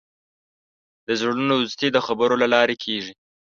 د زړونو دوستي د خبرو له لارې کېږي.